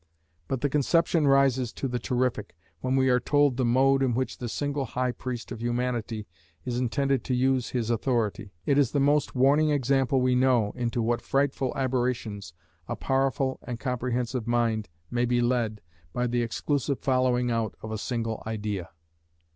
But the conception rises to the terrific, when we are told the mode in which the single High Priest of Humanity is intended to use his authority. It is the most warning example we know, into what frightful aberrations a powerful and comprehensive mind may be led by the exclusive following out of a single idea.